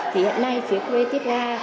thì hẳn nay phía creative dara